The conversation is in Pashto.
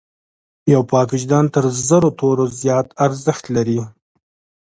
یو پاک وجدان تر زرو تورو زیات ارزښت لري.